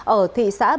ở thị xã bình minh